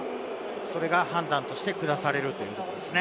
それが判断としてくだされるということですね。